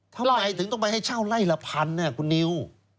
ทำไมถึงต้องไปให้เช่าไล่ละพันคุณนิว